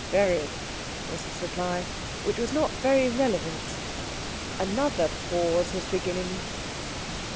'Very,' was his reply, which was not very relevant. Another pause was beginning.